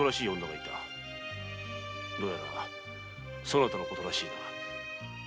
どうやらそなたの事らしいな。